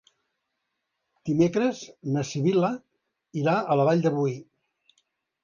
Dimecres na Sibil·la irà a la Vall de Boí.